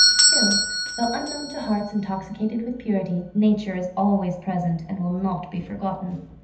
Still, though unknown to hearts intoxicated with purity, nature is always present and will not be forgotten.